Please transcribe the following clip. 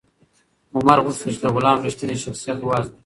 عمر غوښتل چې د غلام رښتینی شخصیت و ازمایي.